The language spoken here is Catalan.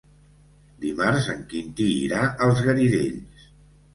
Dimarts en Quintí irà als Garidells.